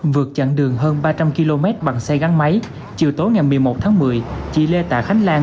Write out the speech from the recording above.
vượt chặn đường hơn ba trăm linh km bằng xe gắn máy chiều tối ngày một mươi một tháng một mươi chị lê tạ khánh lan